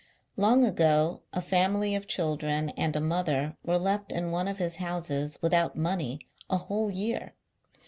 Long ago, a family of children and a mother were left in one of his houses, without money, a whole year.